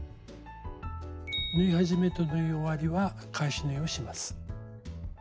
縫い始めと縫い終わりは返し縫いをします。